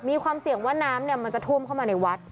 มีความเสี่ยงว่าน้ำมันจะท่วมเข้ามาในวัด